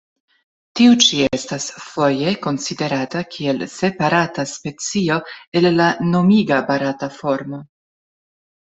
Tiu ĉi estas foje konsiderata kiel separata specio el la nomiga barata formo.